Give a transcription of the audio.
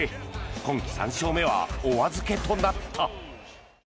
今季３勝目はお預けとなった。